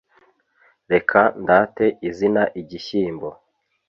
reka ndate izina igishyimbo